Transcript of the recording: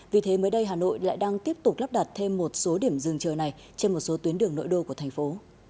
vì thế mới đây hà nội lại đang tiếp tục lắp đặt thêm một số điểm rừng chờ này trên một số tuyến đường nội đô của thành phố